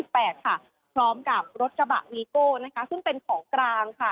พร้อมกับรถกระบะวีโก้นะคะซึ่งเป็นของกลางค่ะ